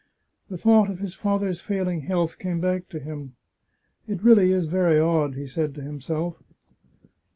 The thought of his father's failing health came back to him. " It really is very odd !" he said to himself.